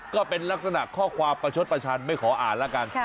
ก็เป็นลักษณะข้อความประชดประชันไม่ขออ่านแล้วกัน